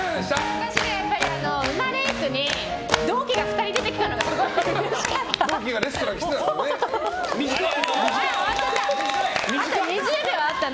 私、やっぱりうまレースに同期が２人出てきたのが短い！